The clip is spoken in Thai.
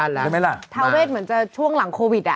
ตอนนี้ก็เหมือนใหม่อยู่ถ้าเวศเหมือนจะช่วงหลังโควิด